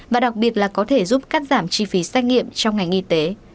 và đặc biệt là có thể giúp cắt giảm chi phí xét nghiệm trong ngành y tế